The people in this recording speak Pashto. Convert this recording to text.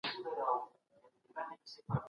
که چېرې مسمومیت شدید وي، نو باید ناروغ بستر شي.